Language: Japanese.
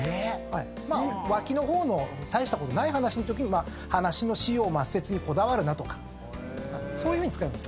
まあ脇の方の大したことない話のときに話の枝葉末節にこだわるなとかそういうふうに使いますね。